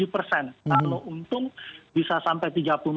kalau untung bisa sampai tiga puluh enam